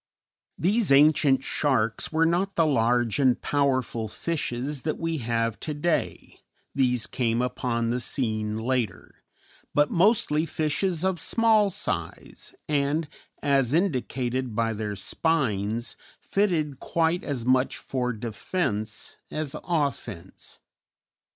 These ancient sharks were not the large and powerful fishes that we have to day these came upon the scene later but mostly fishes of small size, and, as indicated by their spines, fitted quite as much for defence as offence.